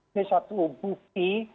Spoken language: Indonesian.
ini satu bukti